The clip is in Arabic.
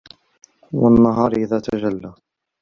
وَالنَّهارِ إِذا تَجَلّى